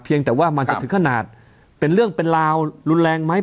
แต่ว่ามันจะถึงขนาดเป็นเรื่องเป็นราวรุนแรงไหม